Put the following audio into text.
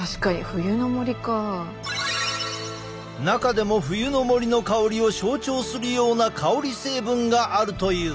中でも冬の森の香りを象徴するような香り成分があるという。